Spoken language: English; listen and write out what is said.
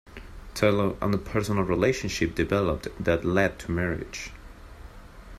Taylor and a personal relationship developed that led to marriage.